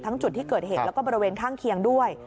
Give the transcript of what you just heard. จุดที่เกิดเหตุแล้วก็บริเวณข้างเคียงด้วย